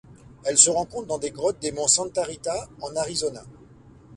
Elle se rencontre dans des grottes des monts Santa Rita en Arizona.